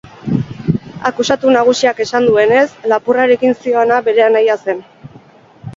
Akusatu nagusiak esan duenez, lapurrarekin zihoana bere anaia zen.